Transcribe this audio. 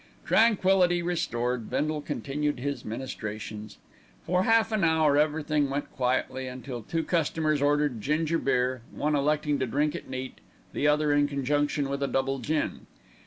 Tranquillity restored, Bindle continued his ministrations. For half an hour everything went quietly until two customers ordered ginger beer, one electing to drink it neat, and the other in conjunction with a double gin.